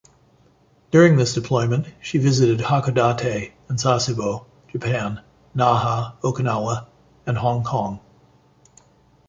During this deployment, she visited Hakodate and Sasebo, Japan; Naha, Okinawa and Hong Kong.